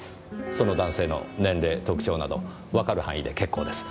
その男性の年齢特徴などわかる範囲で結構です。